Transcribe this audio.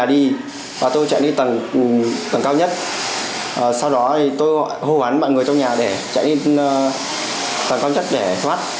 để giải thoát